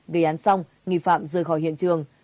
gây án xong nghi phạm rời khỏi hiện trường